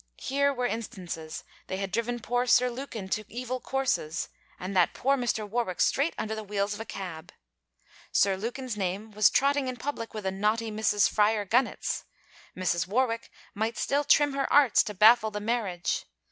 Here were instances: they had driven poor Sir Lukin to evil courses, and that poor Mr. Warwick straight under the wheels of a cab. Sir Lukin's name was trotting in public with a naughty Mrs. Fryar Gunnett's: Mrs. Warwick might still trim her arts to baffle the marriage.